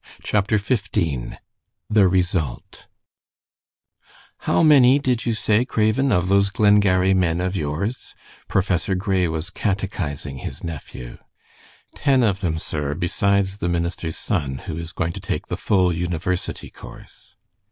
CHAPTER XV THE RESULT "How many did you say, Craven, of those Glengarry men of yours?" Professor Gray was catechizing his nephew. "Ten of them, sir, besides the minister's son, who is going to take the full university course."